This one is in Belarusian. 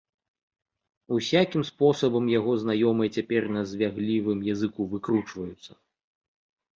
Усякім спосабам яго знаёмыя цяпер на звяглівым языку выкручваюцца.